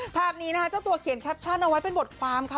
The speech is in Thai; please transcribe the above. ภาพนี้นะคะเจ้าตัวเขียนแคปชั่นเอาไว้เป็นบทความค่ะ